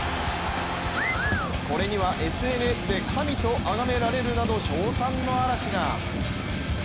これにはＳＮＳで神とあがめられるなど称賛の嵐が。